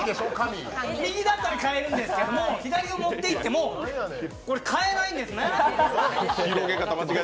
右だったら買えるんですけど、左を持っていっても買えないんですね。